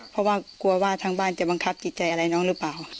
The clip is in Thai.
เพราะว่ากลัวว่าทางบ้านจะบังคับจิตใจอะไรน้องหรือเปล่า